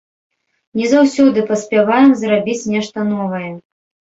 Не заўсёды паспяваем зрабіць нешта новае.